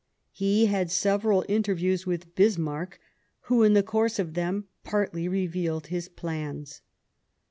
He had several interviews with Bismarck, who, in the course of them, partly revealed his plans.